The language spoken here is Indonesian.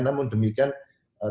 namun demikian tadi